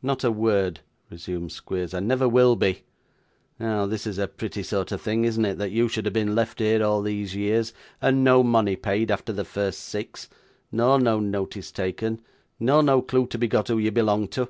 'Not a word,' resumed Squeers, 'and never will be. Now, this is a pretty sort of thing, isn't it, that you should have been left here, all these years, and no money paid after the first six nor no notice taken, nor no clue to be got who you belong to?